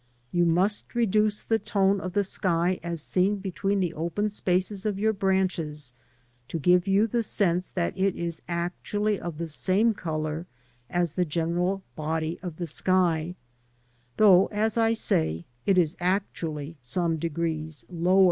You must reduce the tone of the sky as seen between the open spaces of your branches to give you the sense that it is actually of the same colour as the general body of sky, though, as I say, it is actually some degrees lower.